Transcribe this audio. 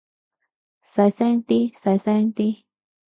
細聲啲，細聲啲